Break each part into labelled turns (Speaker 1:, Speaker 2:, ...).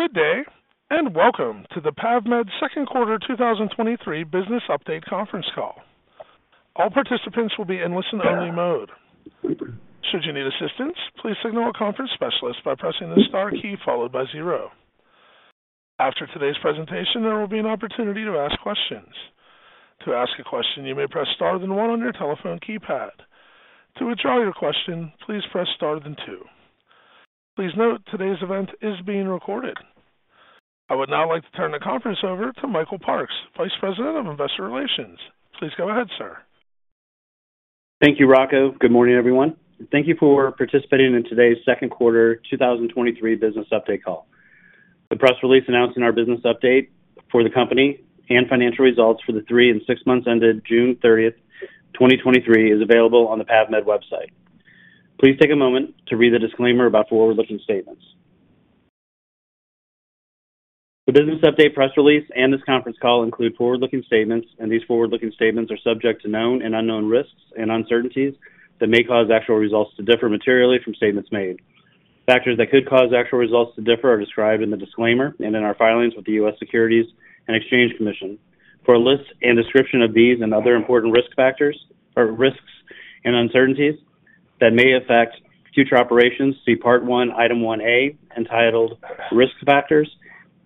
Speaker 1: Good day, welcome to the PAVmed second quarter 2023 business update Conference Call. All participants will be in listen only mode. Should you need assistance, please signal a conference specialist by pressing the star key followed by 0. After today's presentation, there will be an opportunity to ask questions. To ask a question, you may press star than 1 on your telephone keypad. To withdraw your question, please press star than 2. Please note today's event is being recorded. I would now like to turn the conference over to Michael Parks, Vice President of Investor Relations. Please go ahead, sir.
Speaker 2: Thank you, Rocco. Good morning, everyone, and thank you for participating in today's second quarter 2023 business update call. The press release announcing our business update for the company and financial results for the three and six months ended June 30th, 2023, is available on the PAVmed website. Please take a moment to read the disclaimer about forward-looking statements. The business update press release and this conference call include forward-looking statements. These forward-looking statements are subject to known and unknown risks and uncertainties that may cause actual results to differ materially from statements made. Factors that could cause actual results to differ are described in the disclaimer and in our filings with the U.S. Securities and Exchange Commission. For a list and description of these and other important risk factors or risks and uncertainties that may affect future operations, see Part One, Item 1A, entitled Risk Factors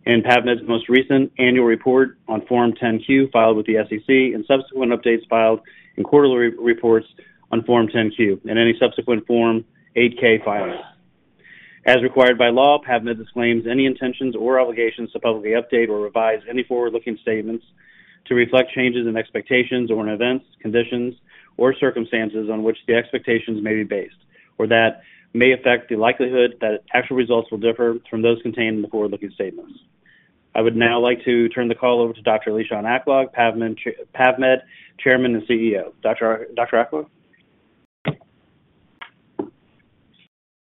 Speaker 2: in PAVmed's most recent annual report on Form 10-Q, filed with the SEC, and subsequent updates filed in quarterly reports on Form 10-Q and any subsequent Form 8-K filings. As required by law, PAVmed disclaims any intentions or obligations to publicly update or revise any forward-looking statements to reflect changes in expectations or in events, conditions, or circumstances on which the expectations may be based, or that may affect the likelihood that actual results will differ from those contained in the forward-looking statements. I would now like to turn the call over to Dr. Lishan Aklog, PAVmed Chairman and CEO. Dr. Aklog?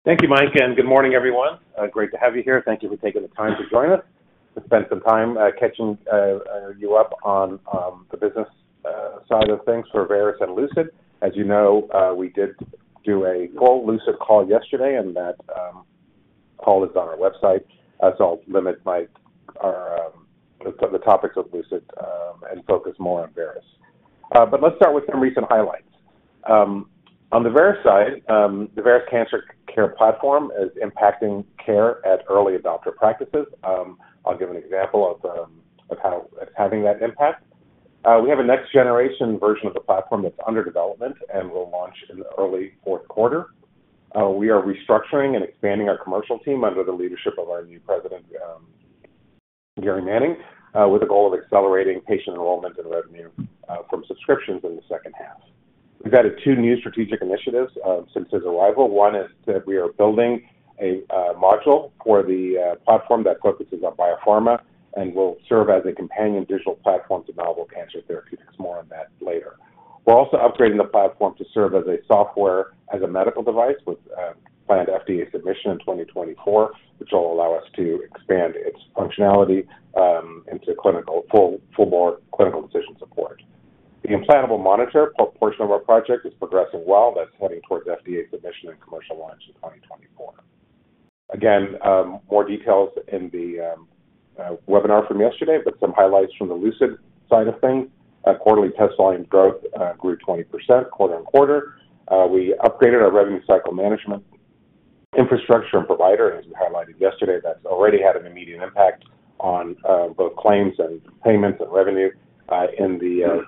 Speaker 3: Thank you, Mike. Good morning, everyone. Great to have you here. Thank you for taking the time to join us, to spend some time catching you up on the business side of things for Veris and Lucid. As you know, we did do a full Lucid call yesterday, and that call is on our website. I'll limit our topics of Lucid and focus more on Veris. Let's start with some recent highlights. On the Veris side, the Veris Cancer Care Platform is impacting care at early adopter practices. I'll give an example of how it's having that impact. We have a next generation version of the platform that's under development and will launch in early fourth quarter. We are restructuring and expanding our commercial team under the leadership of our new president, Gary Manning, with the goal of accelerating patient enrollment and revenue from subscriptions in the second half. We've added two new strategic initiatives since his arrival. One is that we are building a module for the platform that focuses on biopharma and will serve as a companion digital platform to novel cancer therapeutics. More on that later. We're also upgrading the platform to serve as a Software as a Medical Device, with planned FDA submission in 2024, which will allow us to expand its functionality into clinical-- full, full board clinical decision support. The implantable monitor portion of our project is progressing well. That's heading towards FDA submission and commercial launch in 2024. More details in the webinar from yesterday, but some highlights from the Lucid side of things. Quarterly test volume growth grew 20% quarter-over-quarter. We upgraded our revenue cycle management infrastructure and provider, as we highlighted yesterday. That's already had an immediate impact on both claims and payments and revenue in the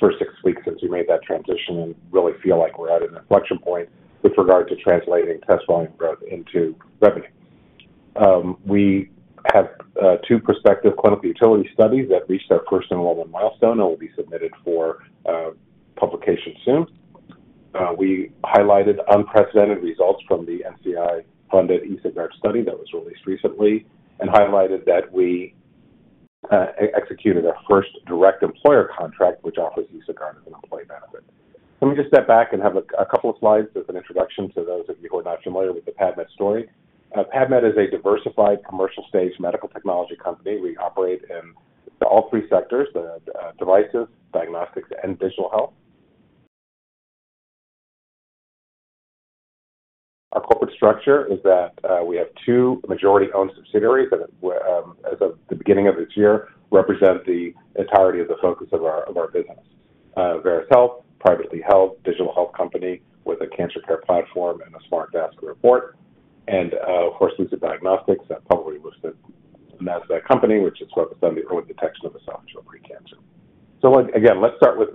Speaker 3: first six weeks since we made that transition, and really feel like we're at an inflection point with regard to translating test volume growth into revenue. We have two prospective clinical utility studies that reached our first enrollment milestone and will be submitted for publication soon. We highlighted unprecedented results from the NCI-funded EsoGuard study that was released recently and highlighted that we executed our first direct employer contract, which offers EsoGuard as an employee benefit. Let me just step back and have a couple of slides as an introduction to those of you who are not familiar with the PAVmed story. PAVmed is a diversified commercial-stage medical technology company. We operate in all three sectors, devices, diagnostics, and digital health. Our corporate structure is that we have two majority-owned subsidiaries that as of the beginning of this year, represent the entirety of the focus of our business. Veris Health, privately held digital health company with a cancer care platform and a smart garment, and of course, Lucid Diagnostics, a publicly listed Nasdaq company, which is focused on the early detection of esophageal pre-cancer. Again, let's start with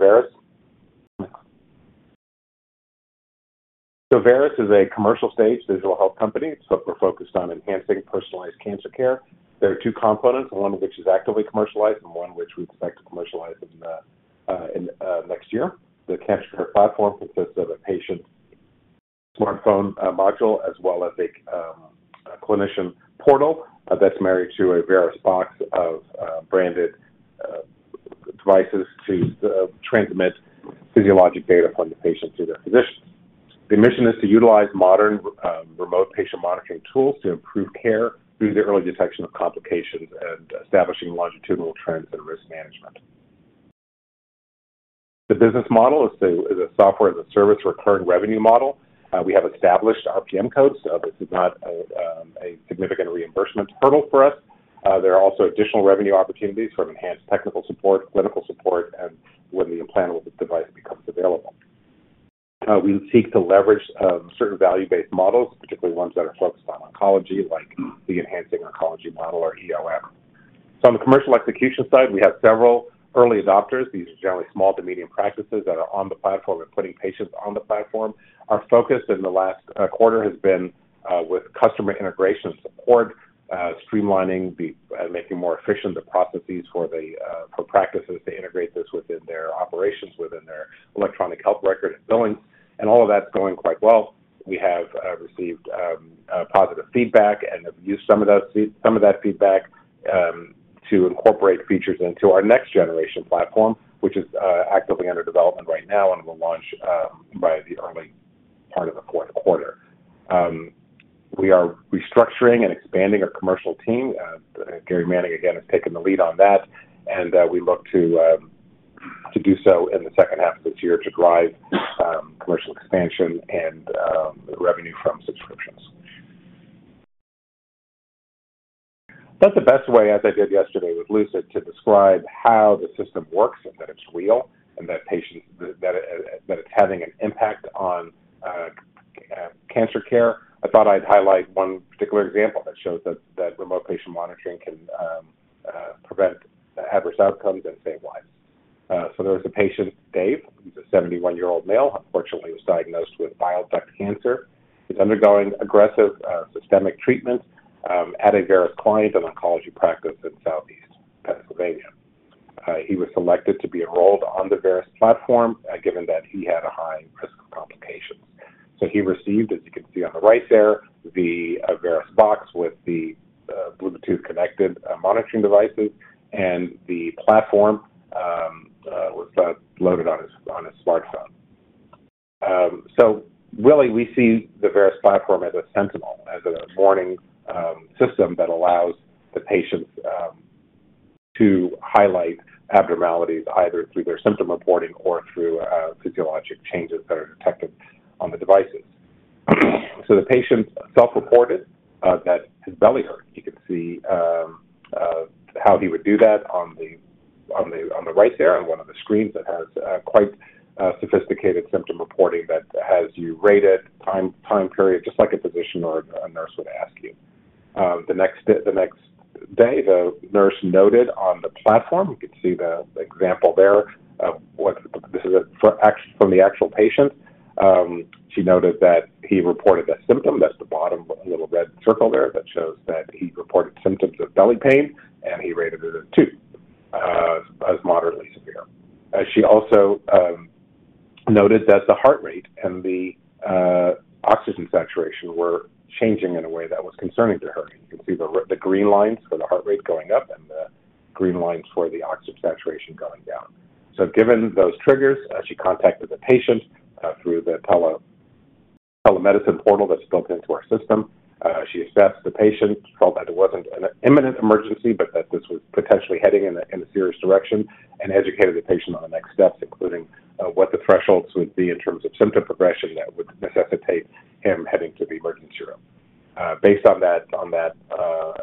Speaker 3: Veris. Veris is a commercial-stage digital health company, we're focused on enhancing personalized cancer care. There are two components, one of which is actively commercialized and one which we expect to commercialize next year. The cancer care platform consists of a patient smartphone module, as well as a clinician portal that's married to a VerisBox of branded devices to transmit physiologic data from the patient to their physicians. The mission is to utilize modern remote patient monitoring tools to improve care through the early detection of complications and establishing longitudinal trends and risk management. The business model is a software-as-a-service recurring revenue model. We have established RPM codes, so this is not a significant reimbursement hurdle for us. There are also additional revenue opportunities from enhanced technical support, clinical support, and when the implantable device becomes available. We seek to leverage certain value-based models, particularly ones that are focused on oncology, like the Enhancing Oncology Model or EOM. On the commercial execution side, we have several early adopters. These are generally small to medium practices that are on the platform and putting patients on the platform. Our focus in the last quarter has been with customer integration support, streamlining the, and making more efficient the processes for the for practices to integrate this within their operations, within their electronic health record and billing. All of that's going quite well. We have received positive feedback and have used some of those-- some of that feedback to incorporate features into our next generation platform, which is actively under development right now and will launch by the early part of the fourth quarter. We are restructuring and expanding our commercial team. Gary Manning, again, has taken the lead on that, and we look to do so in the second half of this year to drive commercial expansion and revenue from subscriptions. That's the best way, as I did yesterday with Lucid, to describe how the system works and that it's real, and that patients, that it's having an impact on cancer care. I thought I'd highlight one particular example that shows that remote patient monitoring can prevent adverse outcomes and save lives. So there was a patient, Dave. He's a 71-year-old male, unfortunately, was diagnosed with bile duct cancer. He's undergoing aggressive systemic treatment at a Veris client, an oncology practice in Southeast Pennsylvania. He was selected to be enrolled on the Veris platform, given that he had a high-risk of complications. He received, as you can see on the right there, the VerisBox with the Bluetooth-connected monitoring devices, and the platform was loaded on his smartphone. Really, we see the Veris platform as a sentinel, as a warning system that allows the patients to highlight abnormalities, either through their symptom reporting or through physiologic changes that are detected on the devices. The patient self-reported that his belly hurt. You can see how he would do that on the, on the, on the right there, on one of the screens that has quite sophisticated symptom reporting that has you rate it, time, time period, just like a physician or a nurse would ask you. The next day, the next day, the nurse noted on the platform, you can see the example there, from the actual patient. She noted that he reported a symptom. That's the bottom little red circle there that shows that he reported symptoms of belly pain, and he rated it a two as moderately severe. She also noted that the heart rate and the oxygen saturation were changing in a way that was concerning to her. You can see the green lines for the heart rate going up and the green lines for the oxygen saturation going down. Given those triggers, she contacted the patient through the telemedicine portal that's built into our system. She assessed the patient, felt that it wasn't an imminent emergency, but that this was potentially heading in a, in a serious direction, and educated the patient on the next steps, including what the thresholds would be in terms of symptom progression that would necessitate him heading to the emergency room. Based on that, on that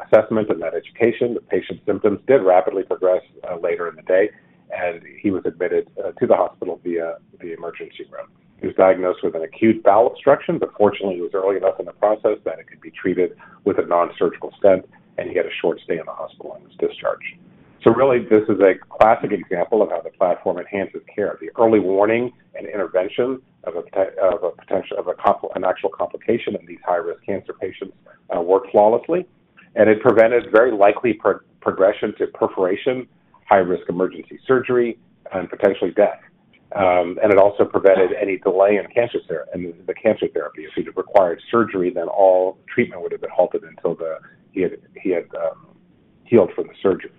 Speaker 3: assessment and that education, the patient's symptoms did rapidly progress later in the day, and he was admitted to the hospital via the emergency room. He was diagnosed with an acute bowel obstruction, but fortunately, it was early enough in the process that it could be treated with a non-surgical stent, and he had a short stay in the hospital and was discharged. Really, this is a classic example of how the platform enhances care. The early warning and intervention of an actual complication of these high-risk cancer patients worked flawlessly, and it prevented very likely progression to perforation, high-risk emergency surgery, and potentially death. It also prevented any delay in cancer in the cancer therapy. If he'd required surgery, then all treatment would have been halted until the, he had, he had healed from the surgery.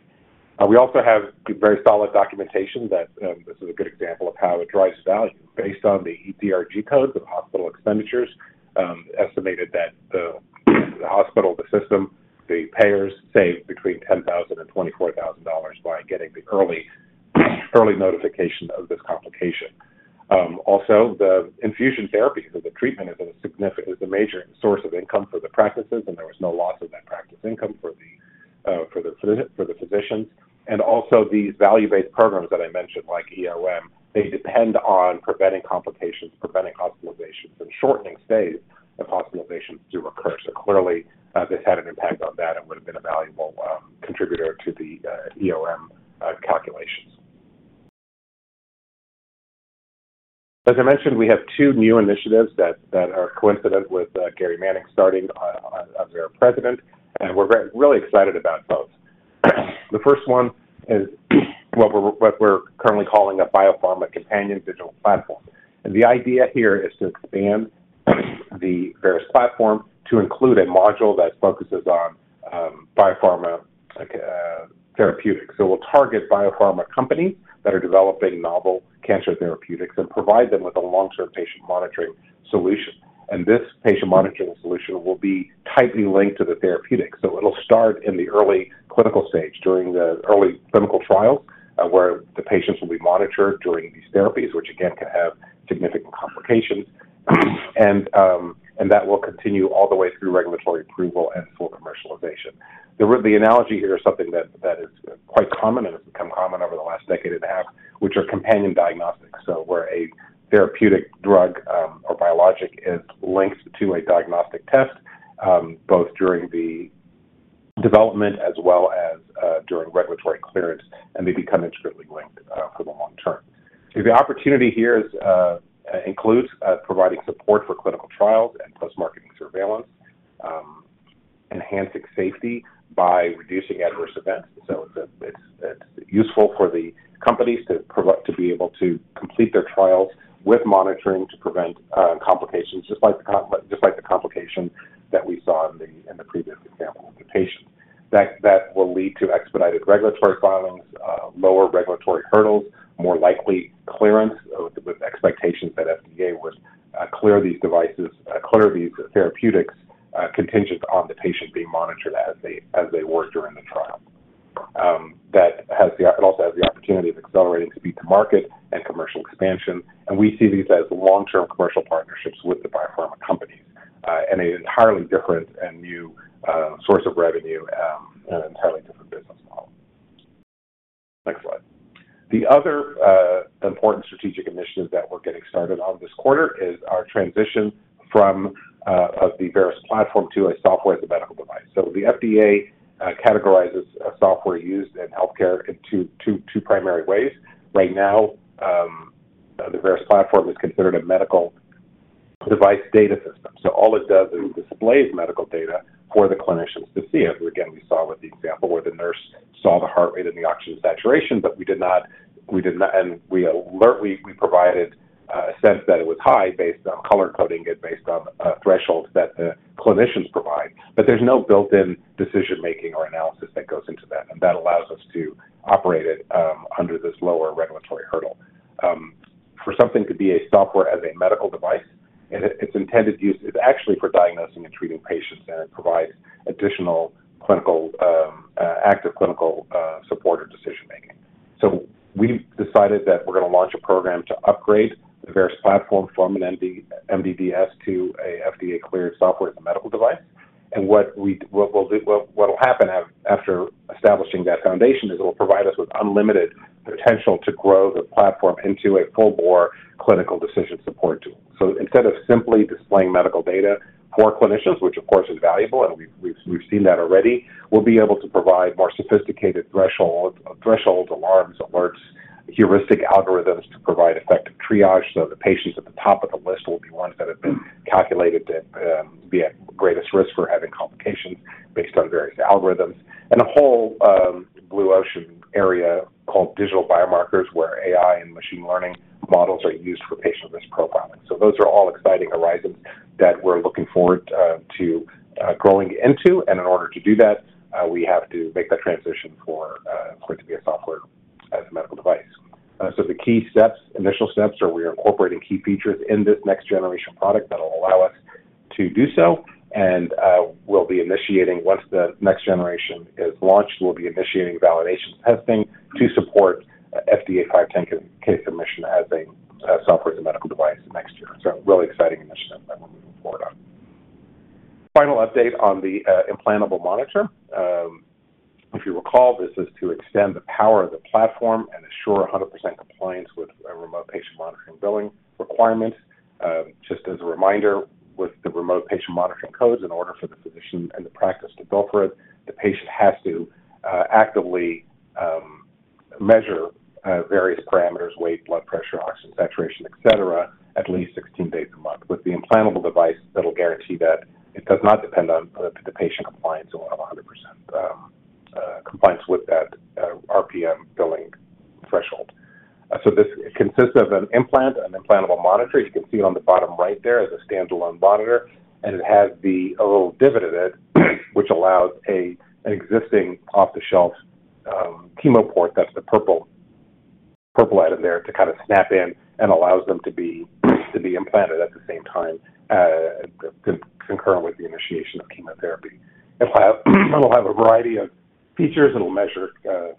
Speaker 3: We also have very solid documentation that this is a good example of how it drives value. Based on the DRG codes of hospital expenditures, estimated that the, the hospital, the system, the payers, saved between $10,000 and $24,000 by getting the early, early notification of this complication. Also, the infusion therapies of the treatment is a significant, is a major source of income for the practices, and there was no loss of that practice income for the for the physicians. These value-based programs that I mentioned, like EOM, they depend on preventing complications, preventing hospitalizations, and shortening stays if hospitalizations do occur. Clearly, this had an impact on that and would have been a valuable contributor to the EOM calculations. As I mentioned, we have two new initiatives that, that are coincident with Gary Manning starting on, on as their president, and we're really excited about both. The first one is what we're, what we're currently calling a biopharma companion digital platform. The idea here is to expand the Veris platform to include a module that focuses on, biopharma, therapeutics. We'll target biopharma companies that are developing novel cancer therapeutics and provide them with a long-term patient monitoring solution. This patient monitoring solution will be tightly linked to the therapeutic. It'll start in the early clinical stage, during the early clinical trial, where the patients will be monitored during these therapies, which again, can have significant complications. That will continue all the way through regulatory approval and full commercialization. The analogy here is something that, that is quite common, and it's become common over the last decade and a half, which are companion diagnostics. Where a therapeutic drug, or biologic is linked to a diagnostic test, both during the development as well as during regulatory clearance, and they become intrinsically linked for the long-term. The opportunity here is, includes providing support for clinical trials and post-marketing surveillance, enhancing safety by reducing adverse events. It's, it's, it's useful for the companies to be able to complete their trials with monitoring, to prevent complications, just like the complication that we saw in the previous example of the patient. That will lead to expedited regulatory filings, lower regulatory hurdles, more likely clearance of with expectations that FDA would clear these devices, clear these therapeutics, contingent on the patient being monitored as they were during the trial. That has the, it also has the opportunity of accelerating speed to market and commercial expansion. We see these as long-term commercial partnerships with the biopharma companies, and an entirely different and new source of revenue, and an entirely different business model. Next slide. The other important strategic initiative that we're getting started on this quarter is our transition from of the Veris platform to a Software as a Medical Device. The FDA categorizes a software used in healthcare in two, two, two primary ways. Right now, the Veris platform is considered a Medical Device Data System. All it does is displays medical data for the clinicians to see it. Again, we saw with the example where the nurse saw the heart rate and the oxygen saturation, we did not, we did not... We alertly provided a sense that it was high based on color coding and based on thresholds that the clinicians provide. There's no built-in decision-making or analysis that goes into that, and that allows us to operate it under this lower regulatory hurdle. For something to be a Software as a Medical Device, its intended use is actually for diagnosing and treating patients, and it provides additional clinical, active clinical support or decision-making. We've decided that we're gonna launch a program to upgrade the Veris platform from an MDDS to a FDA-cleared Software as a Medical Device. What we'll do, what'll happen after establishing that foundation is it will provide us with unlimited potential to grow the platform into a full-bore clinical decision support tool. Instead of simply displaying medical data for clinicians, which of course is valuable, and we've seen that already, we'll be able to provide more sophisticated thresholds, alarms, alerts, heuristic algorithms to provide effective triage. The patients at the top of the list will be ones that have been calculated to be at greatest risk for having complications based on various algorithms. A whole, blue ocean area called digital biomarkers, where AI and machine learning models are used for patient risk profiling. Those are all exciting horizons that we're looking forward to growing into. In order to do that, we have to make that transition for it to be a Software as a Medical Device. The key steps, initial steps are we are incorporating key features in this next-generation product that will allow us to do so. We'll be initiating once the next generation is launched, we'll be initiating validation testing to support FDA 510(k) submission as a Software as a Medical Device next year. Really exciting initiatives that we're moving forward on. Final update on the implantable monitor. If you recall, this is to extend the power of the platform and ensure 100% compliance with a remote patient monitoring billing requirement. Just as a reminder, with the remote patient monitoring codes, in order for the physician and the practice to bill for it, the patient has to actively measure various parameters, weight, blood pressure, oxygen saturation, et cetera, at least 16 days a month. With the implantable device, that'll guarantee that it does not depend on the patient compliance on 100% compliance with that, RPM billing threshold. This consists of an implant, an implantable monitor. As you can see on the bottom right there, as a standalone monitor, and it has the... a little divot in it, which allows a, an existing off-the-shelf, chemo port, that's the purple item there, to kind of snap in and allows them to be implanted at the same time, concurrent with the initiation of chemotherapy. It'll have a variety of features. It'll measure,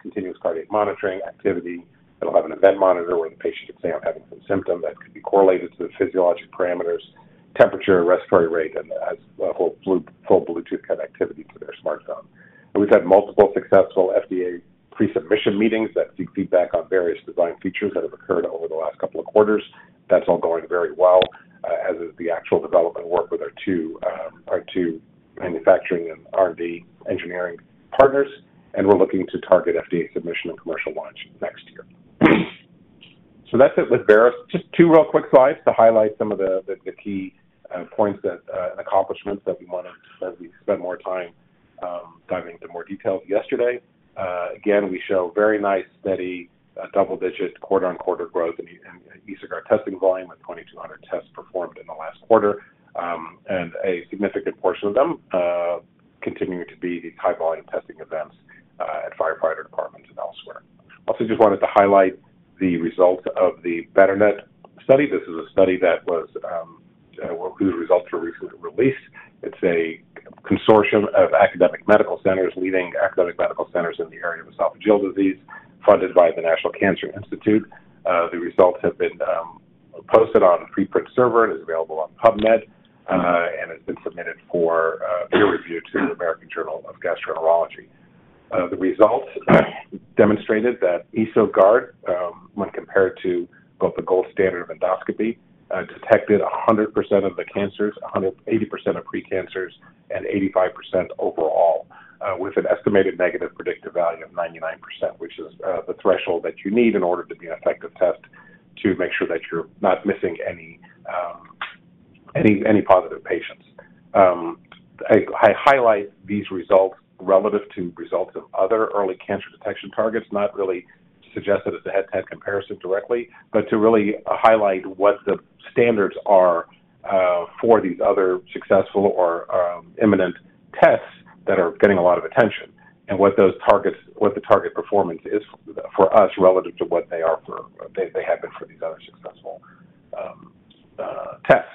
Speaker 3: continuous cardiac monitoring activity. It'll have an event monitor, where the patient can say I'm having some symptoms that could be correlated to the physiologic parameters, temperature, respiratory rate, and it has a whole full Bluetooth connectivity to their smartphone. We've had multiple successful FDA pre-submission meetings that seek feedback on various design features that have occurred over the last couple of quarters. That's all going very well, as is the actual development work with our two, our two manufacturing and RD engineering partners, and we're looking to target FDA submission and commercial launch next year. That's it with Veris. Just two real quick slides to highlight some of the, the, the key points that and accomplishments that we wanted to, as we spent more time diving into more details yesterday. Again, we show very nice, steady, double-digit quarter-on-quarter growth in EKG testing volume, with 2,200 tests performed in the last quarter. A significant portion of them, continuing to be the high-volume testing events, at firefighter departments and elsewhere. Also, just wanted to highlight the results of the BETRNet study. This is a study that was whose results were recently released. It's a consortium of academic medical centers, leading academic medical centers in the area of esophageal disease, funded by the National Cancer Institute. The results have been posted on a preprint server and is available on PubMed, and it's been submitted for peer review to The American Journal of Gastroenterology. The results demonstrated that EsoGuard, when compared to both the gold standard of endoscopy, detected 100% of the cancers, 180% of pre-cancers, and 85% overall, with an estimated negative predictive value of 99%, which is the threshold that you need in order to be an effective test to make sure that you're not missing any positive patients. I, I highlight these results relative to results of other early cancer detection targets, not really to suggest that it's a head-to-head comparison directly, but to really highlight what the standards are for these other successful or imminent tests that are getting a lot of attention, what the target performance is for us, relative to what they are for, they, they have been for these other successful tests.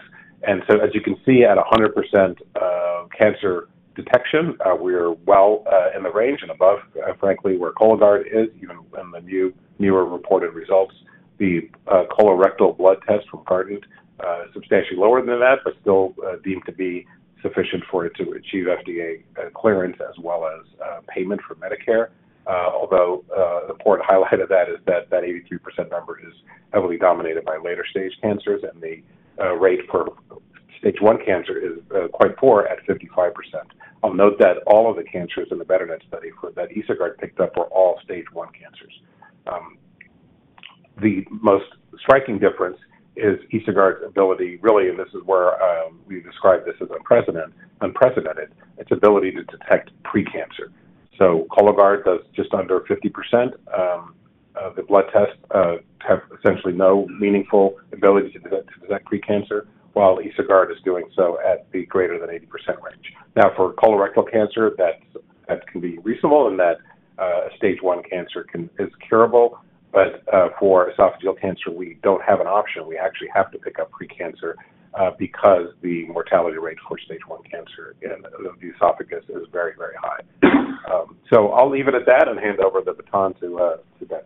Speaker 3: As you can see, at 100% cancer detection, we're well in the range and above, frankly, where Cologuard is, even in the newer reported results. The colorectal blood test from Guardant substantially lower than that, but still deemed to be sufficient for it to achieve FDA clearance as well as payment from Medicare. Although, the poor highlight of that is that that 82% number is heavily dominated by later-stage cancers, and the rate per stage 1 cancer is quite poor at 55%. I'll note that all of the cancers in the BETRNet study for that EsoGuard picked up were all stage 1 cancers. The most striking difference is EsoGuard's ability, really, and this is where we describe this as unprecedented, unprecedented, its ability to detect pre-cancer. Cologuard does just under 50%. The blood tests have essentially no meaningful ability to detect, to detect pre-cancer, while EsoGuard is doing so at the greater than 80% range. For colorectal cancer, that, that can be reasonable in that stage 1 cancer is curable, but for esophageal cancer, we don't have an option. We actually have to pick up pre-cancer, because the mortality rate for stage 1 cancer in the esophagus is very, very high. I'll leave it at that and hand over the baton to Dennis.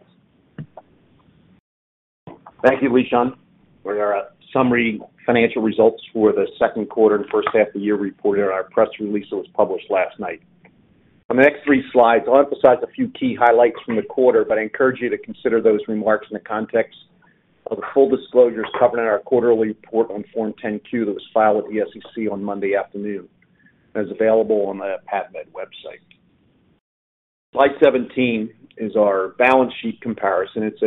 Speaker 4: Thank you, Lishan. For our summary financial results for the second quarter and first half of the year reported in our press release that was published last night. On the next three slides, I'll emphasize a few key highlights from the quarter, but I encourage you to consider those remarks in the context of the full disclosures covered in our quarterly report on Form 10-Q that was filed with the SEC on Monday afternoon, and is available on the PAVmed website. Slide 17 is our balance sheet comparison. It's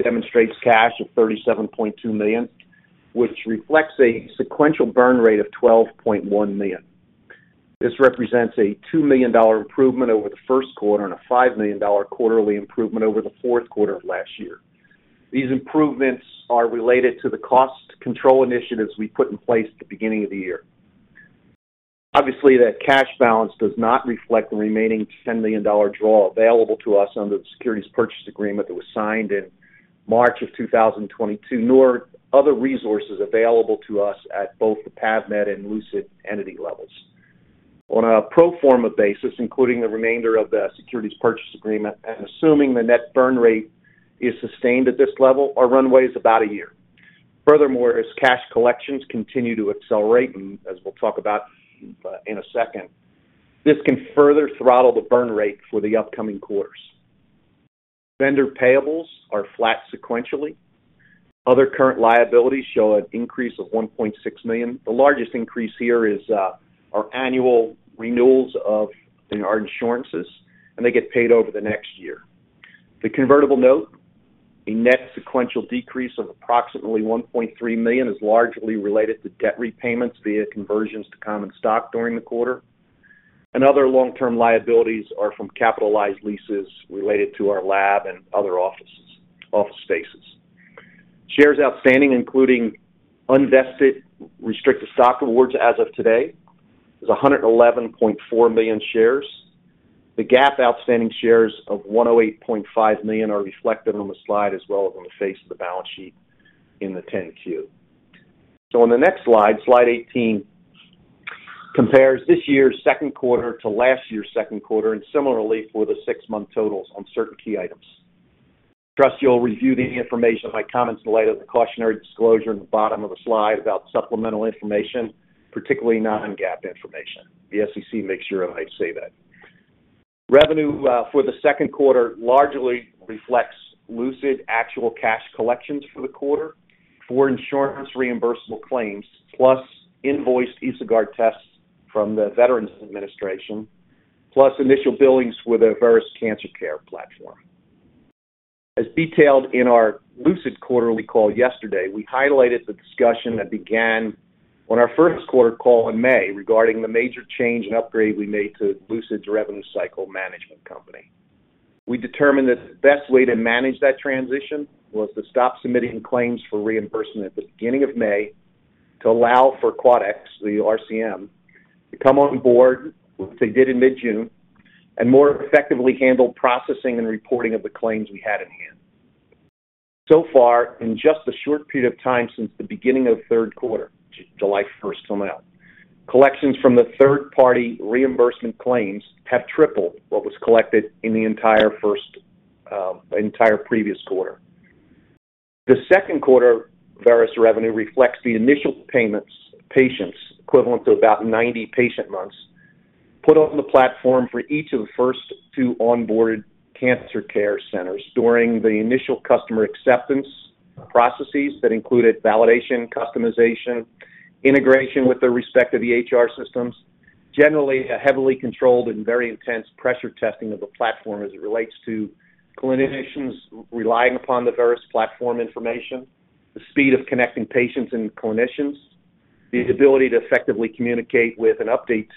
Speaker 4: demonstrates cash of $37.2 million, which reflects a sequential burn rate of $12.1 million. This represents a $2 million improvement over the first quarter and a $5 million quarterly improvement over the fourth quarter of last year. These improvements are related to the cost control initiatives we put in place at the beginning of the year. Obviously, that cash balance does not reflect the remaining $10 million draw available to us under the securities purchase agreement that was signed in March of 2022, nor other resources available to us at both the PAVmed and Lucid entity levels. On a pro forma basis, including the remainder of the securities purchase agreement and assuming the net burn rate is sustained at this level, our runway is about a year. Furthermore, as cash collections continue to accelerate, and as we'll talk about, in a second, this can further throttle the burn rate for the upcoming quarters. Vendor payables are flat sequentially. Other current liabilities show an increase of $1.6 million. The largest increase here is our annual renewals of our insurances, and they get paid over the next year. The convertible note, a net sequential decrease of approximately $1.3 million, is largely related to debt repayments via conversions to common stock during the quarter. Other long-term liabilities are from capitalized leases related to our lab and other offices, office spaces. Shares outstanding, including unvested restricted stock awards, as of today, is 111.4 million shares. The GAAP outstanding shares of 108.5 million are reflected on the slide as well as on the face of the balance sheet in the Form 10-Q. On the next slide, slide 18, compares this year's second quarter to last year's second quarter, and similarly for the six-month totals on certain key items. Trust you'll review the information and my comments in light of the cautionary disclosure in the bottom of the slide about supplemental information, particularly non-GAAP information. The SEC makes sure I say that. Revenue for the second quarter largely reflects Lucid actual cash collections for the quarter, for insurance reimbursable claims, plus invoiced EsoGuard tests from the Veterans Administration, plus initial billings for the Veris Cancer Care Platform. As detailed in our Lucid quarterly call yesterday, we highlighted the discussion that began on our first quarter call in May regarding the major change and upgrade we made to Lucid's Revenue Cycle Management company. We determined that the best way to manage that transition was to stop submitting claims for reimbursement at the beginning of May to allow for Quadax, the RCM, to come on board, which they did in mid-June, and more effectively handle processing and reporting of the claims we had in hand. Far, in just a short period of time since the beginning of third quarter, which is July first on out, collections from the third-party reimbursement claims have tripled what was collected in the entire first entire previous quarter. The second quarter Veris revenue reflects the initial payments patients, equivalent to about 90 patient months, put on the platform for each of the first two onboarded cancer care centers during the initial customer acceptance processes that included validation, customization, integration with their respective EHR systems. Generally, a heavily controlled and very intense pressure testing of the platform as it relates to clinicians relying upon the Veris platform information, the speed of connecting patients and clinicians, the ability to effectively communicate with and update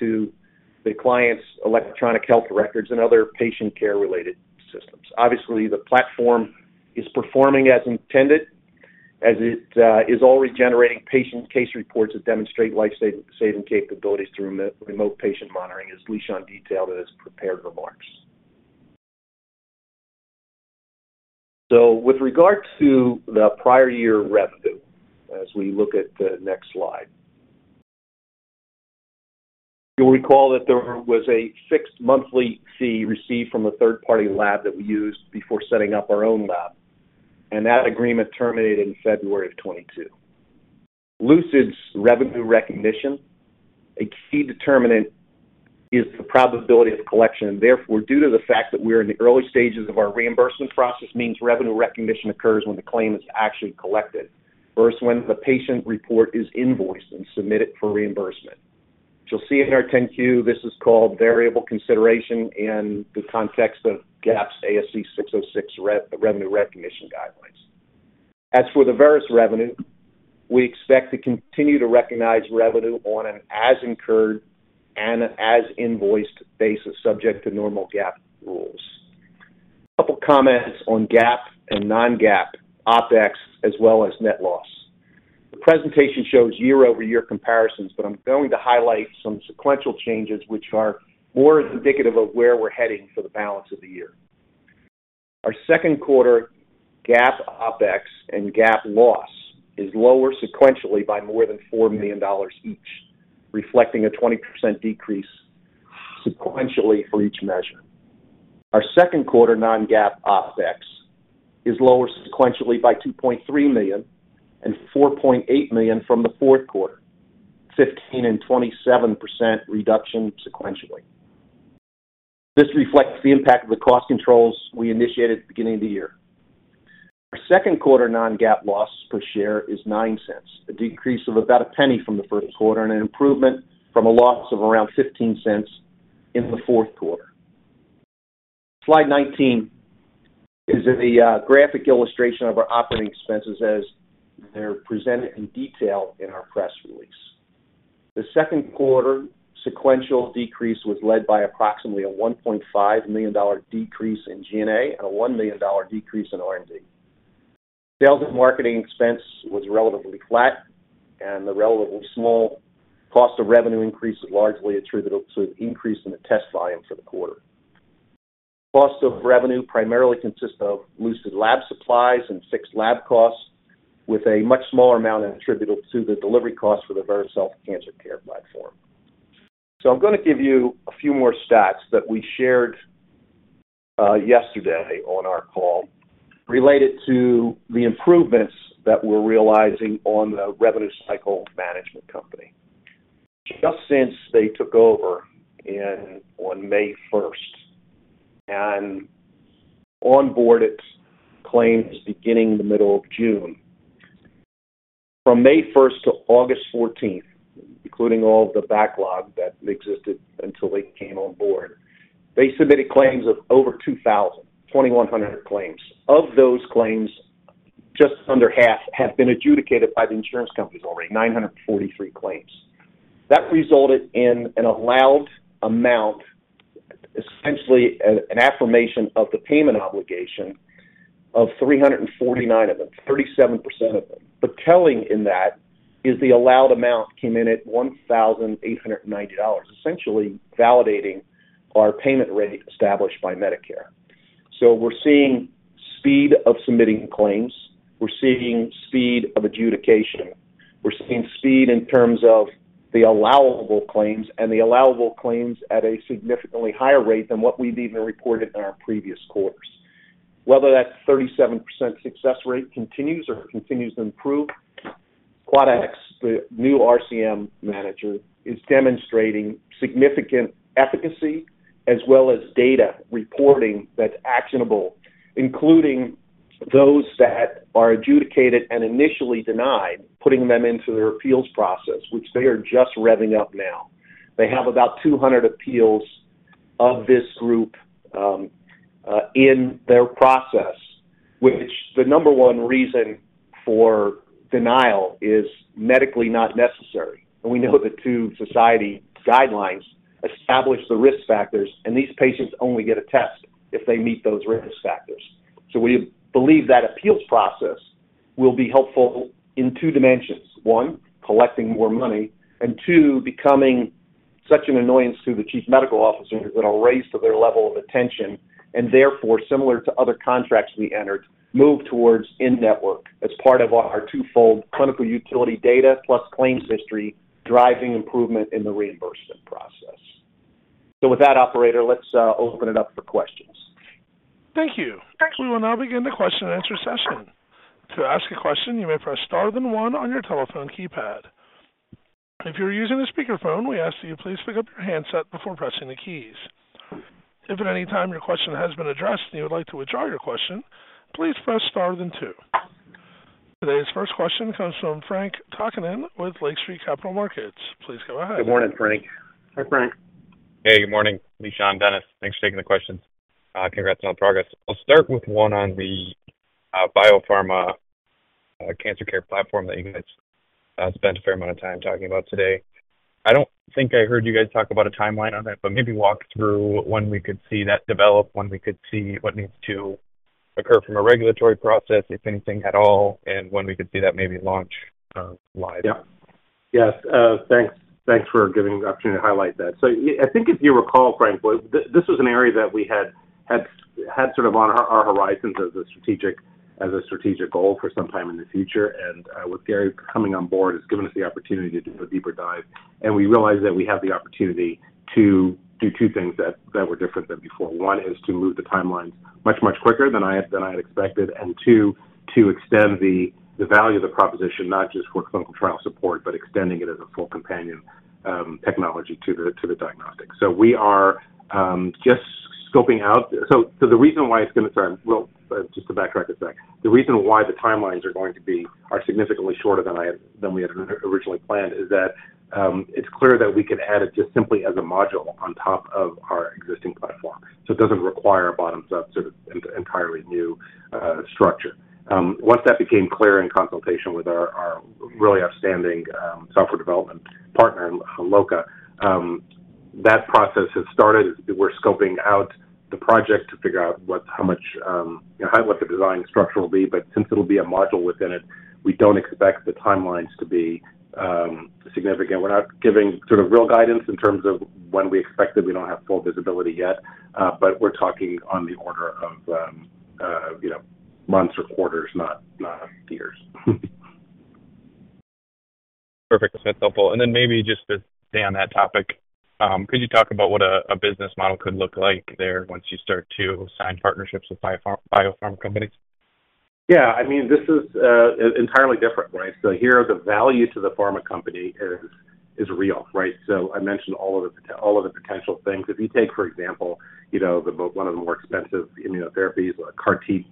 Speaker 4: to the client's electronic health records and other patient care-related systems. Obviously, the platform is performing as intended, as it is already generating patient case reports that demonstrate life-saving, saving capabilities through remote patient monitoring, as Lishan detailed in his prepared remarks. With regard to the prior year revenue, as we look at the next slide. You'll recall that there was a fixed monthly fee received from a third-party lab that we used before setting up our own lab, and that agreement terminated in February of 2022. Lucid's revenue recognition, a key determinant, is the probability of collection, and therefore, due to the fact that we are in the early stages of our reimbursement process, means revenue recognition occurs when the claim is actually collected versus when the patient report is invoiced and submitted for reimbursement. As you'll see in our 10-Q, this is called variable consideration in the context of GAAP's ASC 606 revenue recognition guidelines. As for the Veris revenue, we expect to continue to recognize revenue on an as-incurred and as-invoiced basis, subject to normal GAAP rules. A couple of comments on GAAP and Non-GAAP OpEx, as well as net loss. The presentation shows year-over-year comparisons, but I'm going to highlight some sequential changes, which are more indicative of where we're heading for the balance of the year. Our second quarter GAAP OpEx and GAAP loss is lower sequentially by more than $4 million each, reflecting a 20% decrease sequentially for each measure. Our second quarter Non-GAAP OpEx is lower sequentially by $2.3 million and $4.8 million from the fourth quarter, 15% and 27% reduction sequentially. This reflects the impact of the cost controls we initiated at the beginning of the year. Our second quarter Non-GAAP loss per share is $0.09, a decrease of about $0.01 from the first quarter and an improvement from a loss of around $0.15 in the fourth quarter. Slide 19 is a graphic illustration of our operating expenses as they're presented in detail in our press release. The second quarter sequential decrease was led by approximately a $1.5 million decrease in G&A and a $1 million decrease in R&D. Sales and marketing expense was relatively flat, and the relatively small cost of revenue increase is largely attributable to an increase in the test volume for the quarter. Cost of revenue primarily consists of Lucid lab supplies and fixed lab costs, with a much smaller amount attributable to the delivery costs for the Veris Health Cancer Care Platform. I'm gonna give you a few more stats that we shared yesterday on our call related to the improvements that we're realizing on the Revenue Cycle Management company. Just since they took over on May first and onboarded claims beginning in the middle of June, from May first to August fourteenth, including all of the backlog that existed until they came on board, they submitted claims of over 2,100 claims. Of those claims, just under half have been adjudicated by the insurance companies already, 943 claims. That resulted in an allowed amount, essentially an affirmation of the payment obligation, of 349 of them, 37% of them. Telling in that is the allowed amount came in at $1,890, essentially validating our payment rate established by Medicare. We're seeing speed of submitting claims, we're seeing speed of adjudication, we're seeing speed in terms of the allowable claims and the allowable claims at a significantly higher rate than what we've even reported in our previous quarters. Whether that 37% success rate continues or continues to improve, Quadax, the new RCM manager, is demonstrating significant efficacy as well as data reporting that's actionable, including those that are adjudicated and initially denied, putting them into their appeals process, which they are just revving up now. They have about 200 appeals of this group in their process, which the number one reason for denial is medically not necessary. We know the two society guidelines establish the risk factors, and these patients only get a test if they meet those risk factors. We believe that appeals process....
Speaker 3: will be helpful in two dimensions. One, collecting more money, two, becoming such an annoyance to the chief medical officer that it'll raise to their level of attention, therefore, similar to other contracts we entered, move towards in-network as part of our two-fold clinical utility data plus claims history, driving improvement in the reimbursement process. With that, operator, let's open it up for questions.
Speaker 1: Thank you. We will now begin the question and answer session. To ask a question, you may press Star, then 1 on your telephone keypad. If you're using a speakerphone, we ask that you please pick up your handset before pressing the keys. If at any time your question has been addressed, and you would like to withdraw your question, please press Star then 2. Today's first question comes from Frank Takkinen with Lake Street Capital Markets. Please go ahead.
Speaker 3: Good morning, Frank.
Speaker 4: Hi, Frank.
Speaker 5: Hey, good morning, Lishan, Dennis. Thanks for taking the questions. Congrats on the progress. I'll start with one on the biopharma cancer care platform that you guys spent a fair amount of time talking about today. I don't think I heard you guys talk about a timeline on it, but maybe walk through when we could see that develop, when we could see what needs to occur from a regulatory process, if anything at all, and when we could see that maybe launch live?
Speaker 3: Yeah. Yes, thanks, thanks for giving the opportunity to highlight that. I think if you recall, Frank, this was an area that we had, had, had sort of on our horizons as a strategic, as a strategic goal for some time in the future. With Gary coming on board has given us the opportunity to do a deeper dive, and we realized that we have the opportunity to do two things that, that were different than before. One is to move the timelines much, much quicker than I had, than I had expected. Two, to extend the, the value of the proposition, not just for clinical trial support, but extending it as a full companion technology to the, to the diagnostic. We are just scoping out... The reason why it's going to start, well, just to backtrack a sec. The reason why the timelines are going to be, are significantly shorter than we had originally planned, is that it's clear that we can add it just simply as a module on top of our existing platform. It doesn't require a bottoms-up, sort of, entirely new structure. Once that became clear in consultation with our, our really outstanding software development partner, Loka, that process has started. We're scoping out the project to figure out what, how much, what the design structure will be, but since it'll be a module within it, we don't expect the timelines to be significant. We're not giving sort of real guidance in terms of when we expect it. We don't have full visibility yet, but we're talking on the order of, you know, months or quarters, not, not years.
Speaker 5: Perfect. That's helpful. Maybe just to stay on that topic, could you talk about what a business model could look like there once you start to sign partnerships with biopharm companies?
Speaker 3: Yeah, I mean, this is entirely different, right? Here, the value to the pharma company is, is real, right? I mentioned all of the potential things. If you take, for example, you know, the one of the more expensive immunotherapies, like CAR T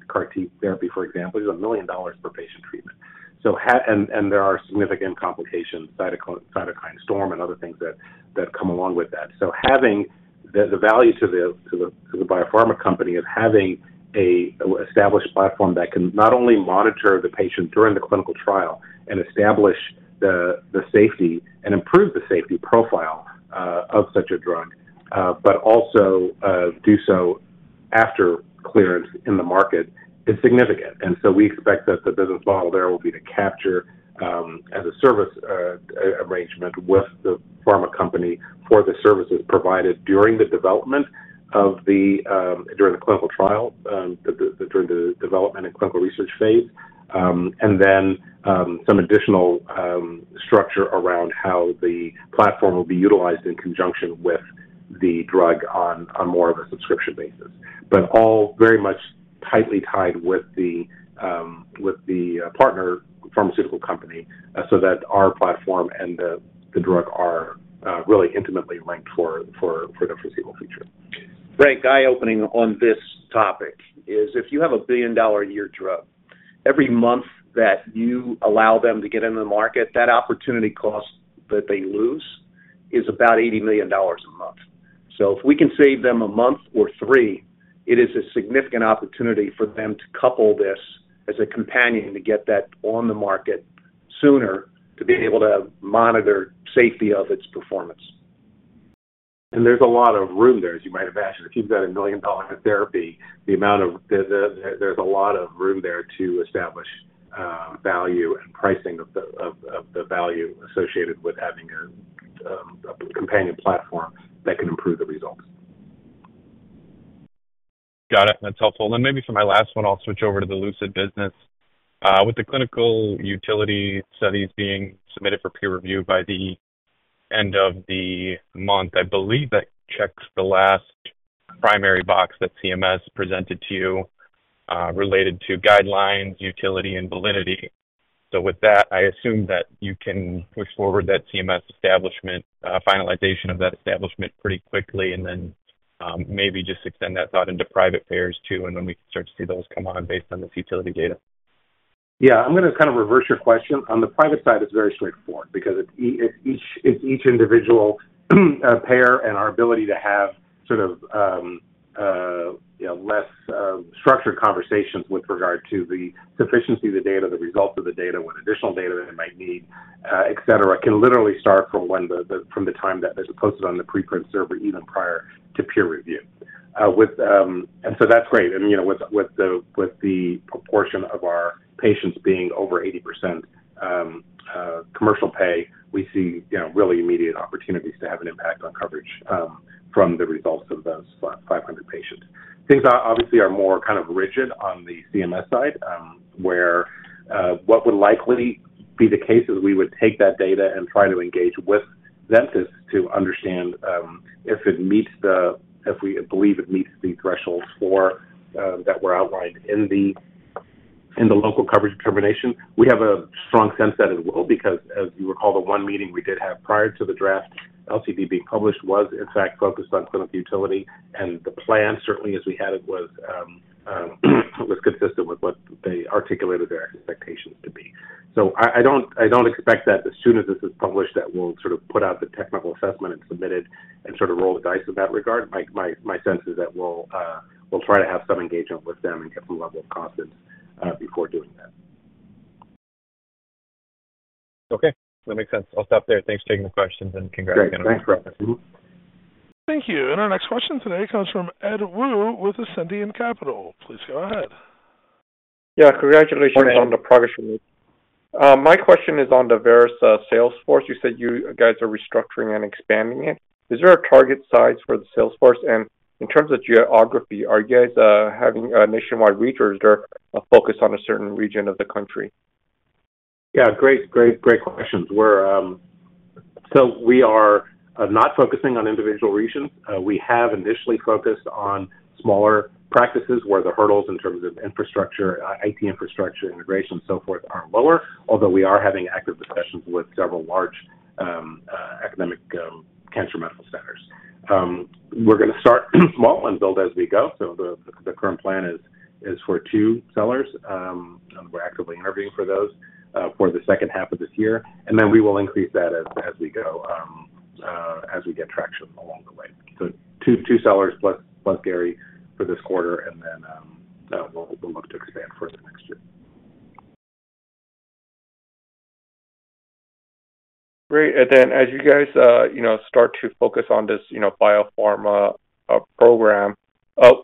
Speaker 3: therapy, for example, is $1 million per patient treatment. There are significant complications, cytokine storm and other things that, that come along with that. Having the, the value to the, to the, to the biopharma company of having a established platform that can not only monitor the patient during the clinical trial and establish the, the safety and improve the safety profile of such a drug, but also do so after clearance in the market is significant. So we expect that the business model there will be to capture, as a service arrangement with the pharma company for the services provided during the development of the, during the clinical trial, during the development and clinical research phase, and then, some additional structure around how the platform will be utilized in conjunction with the drug on, on more of a subscription basis. All very much tightly tied with the, with the partner pharmaceutical company, so that our platform and the, the drug are, really intimately linked for, for, for the foreseeable future.
Speaker 4: Frank, eye-opening on this topic is if you have a $1 billion-a-year drug, every month that you allow them to get into the market, that opportunity cost that they lose is about $80 million a month. If we can save them a month or three, it is a significant opportunity for them to couple this as a companion to get that on the market sooner, to be able to monitor safety of its performance.
Speaker 3: There's a lot of room there, as you might imagine. If you've got a $1 million therapy, There's, there's a lot of room there to establish value and pricing of the value associated with having a companion platform that can improve the results.
Speaker 5: Got it. That's helpful. Maybe for my last one, I'll switch over to the Lucid business. With the clinical utility studies being submitted for peer review by the end of the month, I believe that checks the last primary box that CMS presented to you, related to guidelines, utility, and validity. With that, I assume that you can push forward that CMS establishment, finalization of that establishment pretty quickly, and then, maybe just extend that thought into private payers too, and when we can start to see those come on based on this utility data.
Speaker 3: Yeah. I'm going to kind of reverse your question. On the private side, it's very straightforward because it each, it's each individual payer and our ability to have sort of, you know, less structured conversations with regard to the sufficiency of the data, the results of the data, what additional data they might need, et cetera, can literally start from when the time that it was posted on the preprint server, even prior to peer review. So that's great. I mean, you know, with the proportion of our patients being over 80% commercial pay, we see, you know, really immediate opportunities to have an impact on coverage from the results of those 5,500 patients. Things are obviously are more kind of rigid on the CMS side, where what would likely be the case is we would take that data and try to engage with Ventas to understand if it meets the, if we believe it meets the thresholds for that were outlined in the, in the Local Coverage Determination. We have a strong sense that it will, because as you recall, the one meeting we did have prior to the draft LCD being published was in fact focused on clinical utility. The plan, certainly as we had it, was consistent with what they articulated their expectations to be. I, I don't, I don't expect that as soon as this is published, that we'll sort of put out the technical assessment and submit it and sort of roll the dice in that regard. My, my, my sense is that we'll, we'll try to have some engagement with them and get the level of confidence before doing that.
Speaker 5: Okay, that makes sense. I'll stop there. Thanks for taking the questions. Congratulations.
Speaker 3: Great. Thanks.
Speaker 1: Thank you. Our next question today comes from Edward Woo with Ascendiant Capital. Please go ahead.
Speaker 6: Yeah, congratulations on the progress you made. My question is on the Veris sales force. You said you guys are restructuring and expanding it. Is there a target size for the sales force? In terms of geography, are you guys having a nationwide reach, or is there a focus on a certain region of the country?
Speaker 3: Yeah, great, great, great questions. We're not focusing on individual regions. We have initially focused on smaller practices where the hurdles in terms of infrastructure, IT infrastructure, integration, and so forth, are lower, although we are having active discussions with several large academic cancer medical centers. We're gonna start small and build as we go. The, the current plan is, is for two sellers, and we're actively interviewing for those for the second half of this year, and then we will increase that as, as we go as we get traction along the way. two, two sellers plus, plus Gary for this quarter, and then we'll, we'll look to expand further next year.
Speaker 6: Great. Then as you guys, you know, start to focus on this, you know, biopharma program,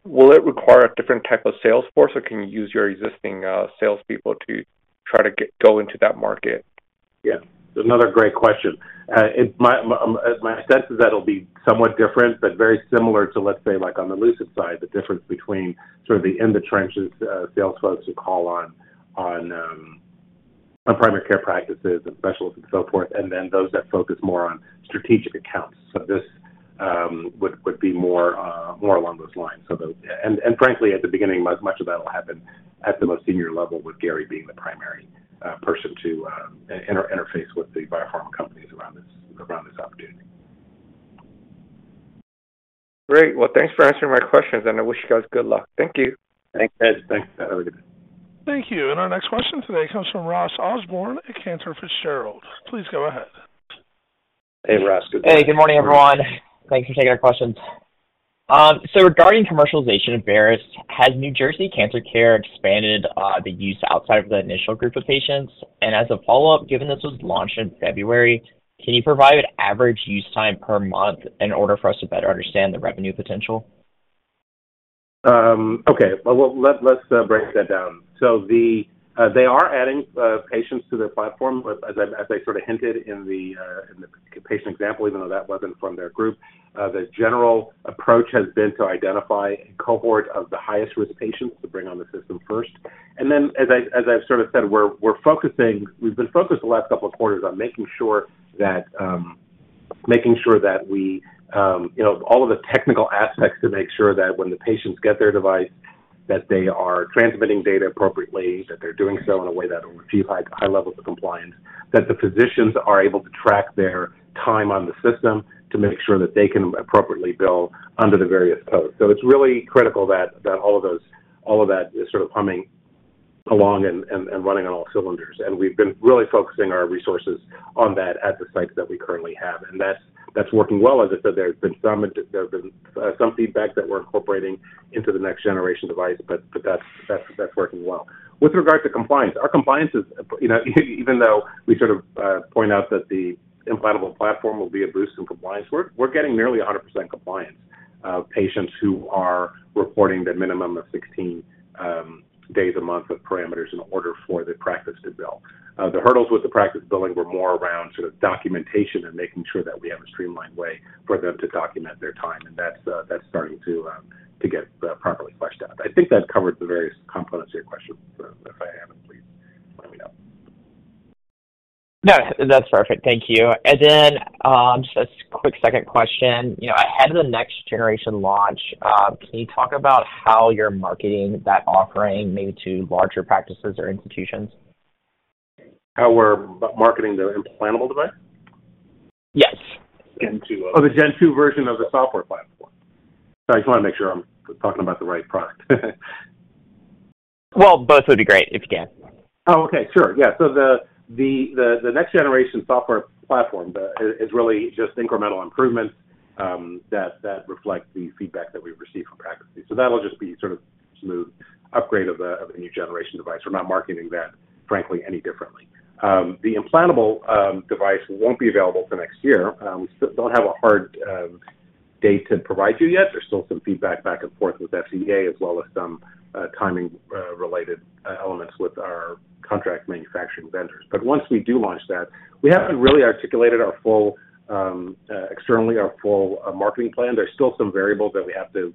Speaker 6: will it require a different type of sales force, or can you use your existing salespeople to try to go into that market?
Speaker 3: Yeah, another great question. My sense is that it'll be somewhat different, but very similar to, let's say, like on the Lucid side, the difference between sort of the in-the-trenches, sales folks who call on primary care practices and specialists and so forth, and then those that focus more on strategic accounts. This would be more along those lines. The... frankly, at the beginning, much of that will happen at the most senior level, with Gary being the primary person to inter-interface with the biopharma companies around this, around this opportunity.
Speaker 6: Great. Well, thanks for answering my questions. I wish you guys good luck. Thank you.
Speaker 3: Thanks, Ed. Thanks. Have a good day.
Speaker 1: Thank you. Our next question today comes from Ross Osborn at Cantor Fitzgerald. Please go ahead.
Speaker 3: Hey, Ross. Good day.
Speaker 7: Hey, good morning, everyone. Thanks for taking our questions. Regarding commercialization of Veris, has New Jersey Cancer Care expanded the use outside of the initial group of patients? As a follow-up, given this was launched in February, can you provide average use time per month in order for us to better understand the revenue potential?
Speaker 3: Okay. Well, let, let's break that down. They are adding patients to their platform, as I, as I sort of hinted in the patient example, even though that wasn't from their group. The general approach has been to identify a cohort of the highest-risk patients to bring on the system first. As I, as I've sort of said, we've been focused the last couple of quarters on making sure that, making sure that we, you know, all of the technical aspects to make sure that when the patients get their device, that they are transmitting data appropriately, that they're doing so in a way that will achieve high, high levels of compliance. That the physicians are able to track their time on the system to make sure that they can appropriately bill under the various codes. It's really critical that, that all of those, all of that is sort of humming along and, and, and running on all cylinders. We've been really focusing our resources on that at the sites that we currently have, and that's, that's working well. I said, there's been some, there's been some feedback that we're incorporating into the next generation device, but, but that's, that's, that's working well. With regard to compliance, our compliance is, you know, even though we sort of, point out that the implantable platform will be a boost in compliance, we're, we're getting nearly 100% compliance, patients who are reporting the minimum of 16 days a month of parameters in order for the practice to bill. The hurdles with the practice billing were more around sort of documentation and making sure that we have a streamlined way for them to document their time, and that's, that's starting to, to get, properly fleshed out. I think that covers the various components of your question. If I haven't, please let me know.
Speaker 7: No, that's perfect. Thank you. Then, just a quick second question. You know, ahead of the next generation launch, can you talk about how you're marketing that offering, maybe to larger practices or institutions?
Speaker 3: How we're marketing the implantable device?
Speaker 7: Yes.
Speaker 3: Gen 2. Oh, the gen 2 version of the software platform. Sorry, I just wanna make sure I'm talking about the right product.
Speaker 7: Well, both would be great if you can.
Speaker 3: Oh, okay. Sure. Yeah. The next generation software platform is really just incremental improvements that reflect the feedback that we've received from practices. That'll just be sort of smooth upgrade of the new generation device. We're not marketing that, frankly, any differently. The implantable, device won't be available for next year. We still don't have a hard, date to provide you yet. There's still some feedback back and forth with FDA as well as some, timing, related, elements with our contract manufacturing vendors. Once we do launch that, we haven't really articulated our full, externally, marketing plan. There's still some variables that we have to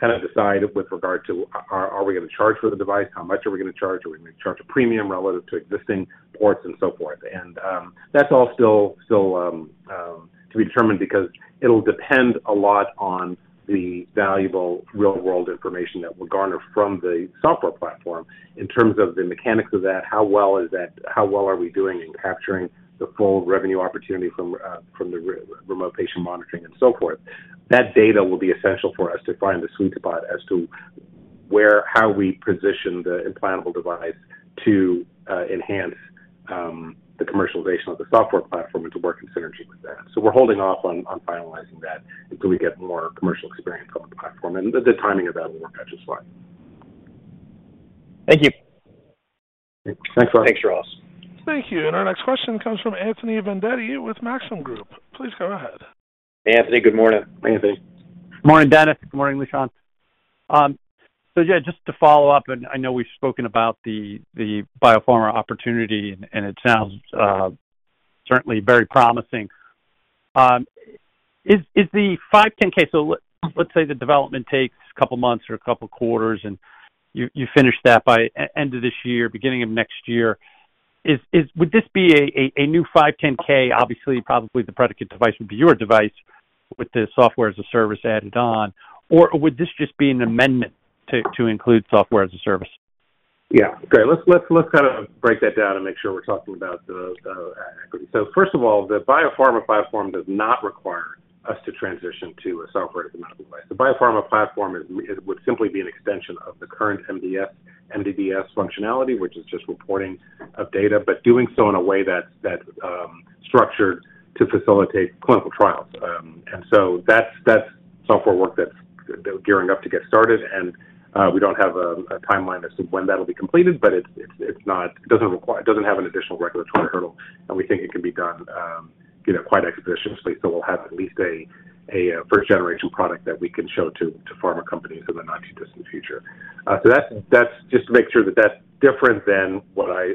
Speaker 3: kind of decide with regard to are, are we gonna charge for the device? How much are we gonna charge? Are we gonna charge a premium relative to existing ports and so forth? That's all still, still to be determined because it'll depend a lot on the valuable real-world information that we'll garner from the software platform. In terms of the mechanics of that, how well is that-- how well are we doing in capturing the full revenue opportunity from the remote patient monitoring and so forth? That data will be essential for us to find the sweet spot as to where-- how we position the implantable device to enhance the commercialization of the software platform and to work in synergy with that. We're holding off on, on finalizing that until we get more commercial experience on the platform, and the, the timing of that will work out just fine.
Speaker 7: Thank you.
Speaker 3: Thanks, Ross.
Speaker 4: Thanks, Ross.
Speaker 1: Thank you. Our next question comes from Anthony Vendetti with Maxim Group. Please go ahead.
Speaker 3: Anthony, good morning. Anthony.
Speaker 8: Good morning, Dennis. Good morning, Lishan. Yeah, just to follow-up, and I know we've spoken about the, the biopharma opportunity, and, and it sounds certainly very promising. Is, is the 510(k)... Let's say the development takes two months or two quarters, and you, you finish that by end of this year, beginning of next year. Is, is would this be a, a, new 510(k)? Obviously, probably the predicate device would be your device with the software-as-a-service added on, or would this just be an amendment to, to include software-as-a-service?
Speaker 3: Yeah. Okay, let's, let's, let's kind of break that down and make sure we're talking about the, the equity. First of all, the biopharma platform does not require us to transition to a Software as a Medical Device. The biopharma platform is, it would simply be an extension of the current MDDS functionality, which is just reporting of data, but doing so in a way that's, that, structured to facilitate clinical trials. That's, that's software work that's gearing up to get started, and we don't have a timeline as to when that'll be completed, but it doesn't have an additional regulatory hurdle, and we think it can be done, you know, quite expeditiously. We'll have at least a, a first-generation product that we can show to, to pharma companies in the not-too-distant future. That's, that's just to make sure that that's different than what I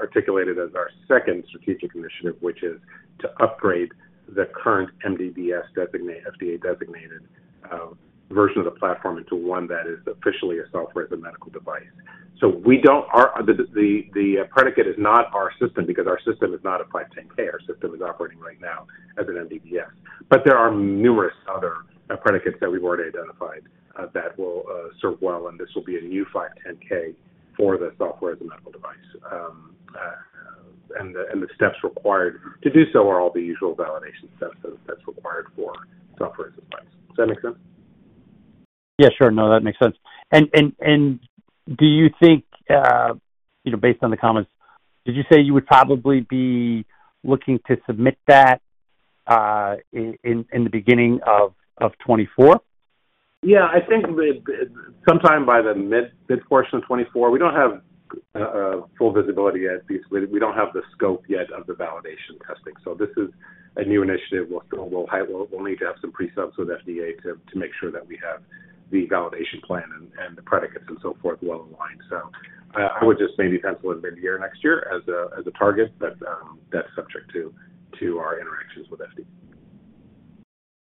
Speaker 3: articulated as our second strategic initiative, which is to upgrade the current MDDS designate, FDA-designated version of the platform into one that is officially a software as a medical device. We don't... Our, the, the, the predicate is not our system, because our system is not a 510(k). Our system is operating right now as an MDDS. There are numerous other predicates that we've already identified that will serve well, and this will be a new 510(k) for the software as a medical device. The steps required to do so are all the usual validation steps that, that's required for software as a device. Does that make sense?
Speaker 8: Yeah, sure. No, that makes sense. Do you think, you know, based on the comments, did you say you would probably be looking to submit that in the beginning of 2024?
Speaker 3: Yeah, I think sometime by the mid, mid portion of 2024. We don't have full visibility yet. We, we don't have the scope yet of the validation testing. This is a new initiative. We'll, we'll, we'll need to have some precepts with FDA to, to make sure that we have the validation plan and, and the predicates and so forth well in line. I would just maybe pencil it in midyear next year as a, as a target, but that's subject to our interactions with FDA.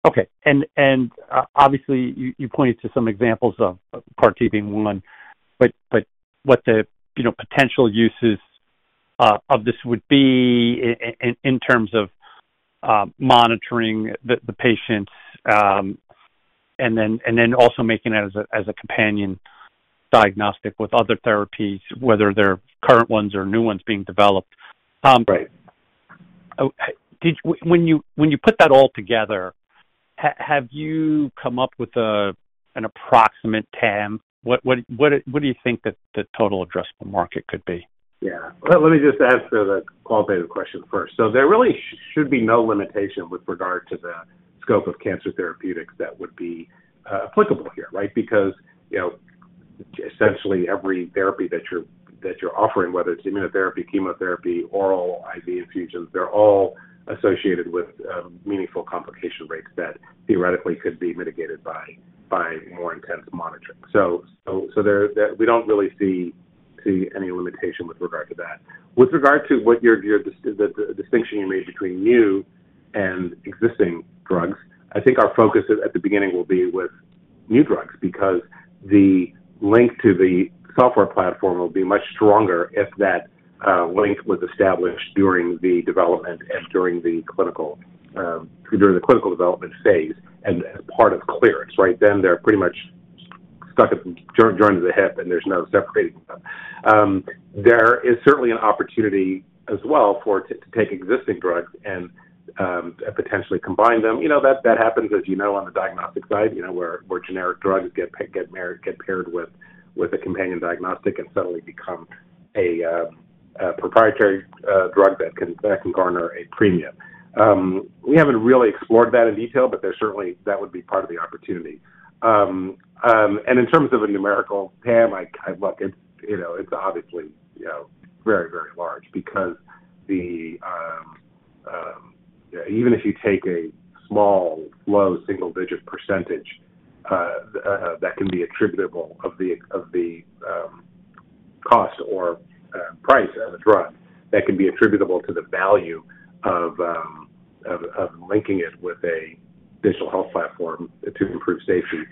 Speaker 8: Okay. Obviously, you, you pointed to some examples of CAR-T being one, but what the, you know, potential uses of this would be in terms of monitoring the patients, and then also making it as a companion diagnostic with other therapies, whether they're current ones or new ones being developed.
Speaker 3: Right.
Speaker 8: When you, when you put that all together, have you come up with an approximate TAM? What, what, what, what do you think the, the total addressable market could be?
Speaker 3: Yeah. Let, let me just answer the qualitative question first. There really should be no limitation with regard to the scope of cancer therapeutics that would be applicable here, right? Because, you know, essentially every therapy that you're, that you're offering, whether it's immunotherapy, chemotherapy, oral, IV infusions, they're all associated with meaningful complication rates that theoretically could be mitigated by, by more intensive monitoring. We don't really see, see any limitation with regard to that. With regard to what your, your, the, the distinction you made between new and existing drugs, I think our focus at, at the beginning will be with new drugs, because the link to the software platform will be much stronger if that link was established during the development and during the clinical, during the clinical development phase and part of clearance, right? They're pretty much stuck at the joined at the hip, and there's no separating them. There is certainly an opportunity as well to take existing drugs and potentially combine them. You know, that happens, as you know, on the diagnostic side, you know, where generic drugs get paired with a companion diagnostic and suddenly become a proprietary drug that can garner a premium. We haven't really explored that in detail, but there's certainly, that would be part of the opportunity. And in terms of a numerical, TAM, I, I look, it's, you know, it's obviously, you know, very, very large because the, even if you take a small, low-single-digit percentage, that can be attributable of the, of the, cost or price of the drug, that can be attributable to the value of, of, of linking it with a digital health platform to improve safety,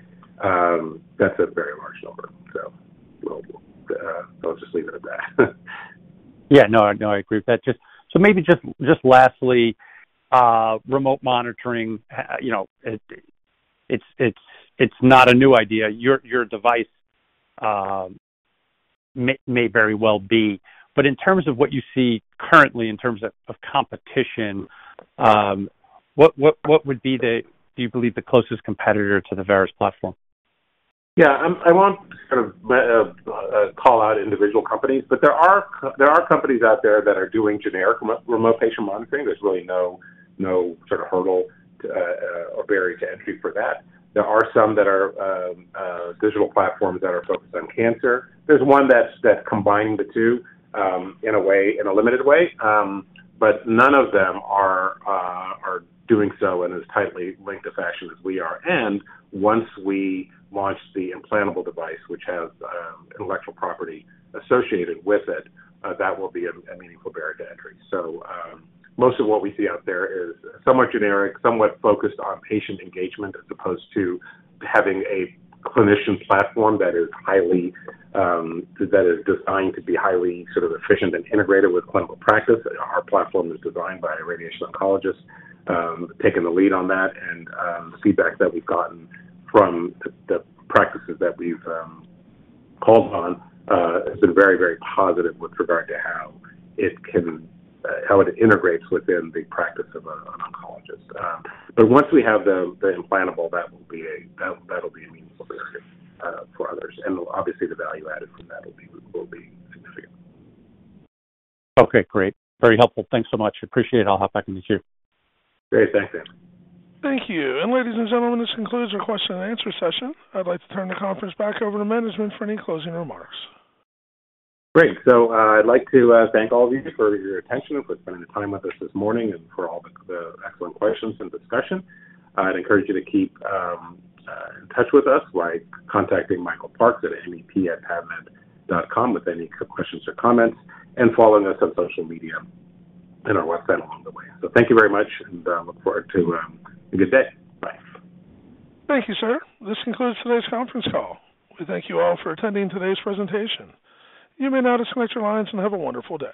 Speaker 3: that's a very large number. I'll just leave it at that.
Speaker 8: Yeah. No, I know, I agree with that. Just so maybe just, just lastly, remote monitoring, you know, it's not a new idea. Your device may very well be, but in terms of what you see currently in terms of competition, what would be the, do you believe, the closest competitor to the Veris platform?
Speaker 3: Yeah, I won't sort of call out individual companies, but there are companies out there that are doing generic remote patient monitoring. There's really no, no sort of hurdle or barrier to entry for that. There are some that are digital platforms that are focused on cancer. There's one that's, that combine the two, in a way, in a limited way, but none of them are doing so in as tightly linked a fashion as we are. Once we launch the implantable device, which has intellectual property associated with it, that will be a meaningful barrier to entry. Most of what we see out there is somewhat generic, somewhat focused on patient engagement, as opposed to having a clinician platform that is highly, that is designed to be highly sort of efficient and integrated with clinical practice. Our platform is designed by a radiation oncologist, taking the lead on that, and the feedback that we've gotten from the practices that we've called on, has been very, very positive with regard to how it can, how it integrates within the practice of an, an oncologist. Once we have the, the implantable, that will be a, that, that'll be a meaningful barrier, for others, and obviously the value added from that will be, will be significant.
Speaker 8: Okay, great. Very helpful. Thanks so much. Appreciate it. I'll hop back into you.
Speaker 3: Great. Thanks, Lishan.
Speaker 1: Thank you. Ladies and gentlemen, this concludes our question and answer session. I'd like to turn the conference back over to management for any closing remarks.
Speaker 3: Great. I'd like to thank all of you for your attention and for spending the time with us this morning and for all the excellent questions and discussion. I'd encourage you to keep in touch with us by contacting Michael Parks at mep@pavmed.com with any questions or comments, and following us on social media and our website along the way. Thank you very much, and look forward to a good day. Bye.
Speaker 1: Thank you, sir. This concludes today's conference call. We thank you all for attending today's presentation. You may now disconnect your lines, and have a wonderful day.